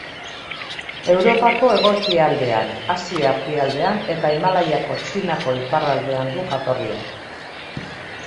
Europako hego-ekialdean, Asia erdialdean eta Himalaiako Txinako iparraldean du jatorria.